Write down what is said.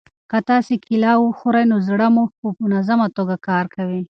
که تاسي کیله وخورئ نو زړه مو په منظمه توګه کار کوي.